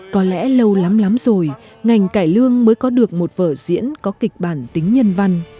có lẽ lâu lắm lắm rồi ngành cải lương mới có được một vở diễn có kịch bản tính nhân văn